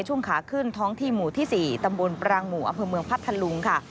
ช่วงขาขึ้นท้องที่หมู่ที่๔ตำบลปรางหมู่อำเภอเมืองพัทธลุงค่ะ